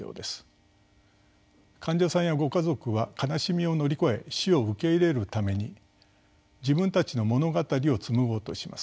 患者さんやご家族は悲しみを乗り越え死を受け入れるために自分たちの物語を紡ごうとします。